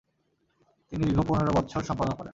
তিনি দীর্ঘ পনের বৎসর সম্পাদনা করেন।